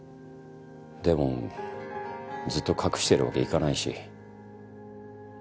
でもずっと隠してるわけいかないし。